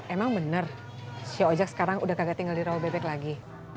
emang bener si ojak sekarang udah kagak tinggal di rawabebek lagi